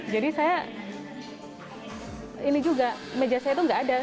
jadi saya ini juga meja saya itu nggak ada